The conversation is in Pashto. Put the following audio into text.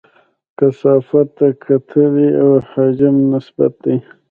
کثافت د کتلې او حجم نسبت دی.